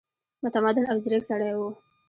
متمدن او ځیرک سړی وو.